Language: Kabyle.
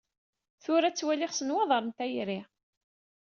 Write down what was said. Tura ttwaliɣ s nnwaḍer n tayri.